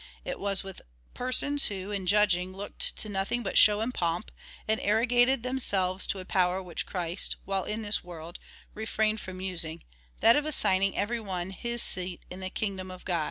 It was with persons who, in judging, looked to nothing but show and pomp, and arrogated to themselves a power which Christ, while in this world, refrained from using — that of assigning to every one his seat in the kingdom CHAP. IV.